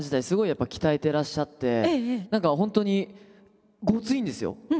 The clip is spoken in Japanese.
すごいやっぱ鍛えてらっしゃって何か本当にごついんですよ。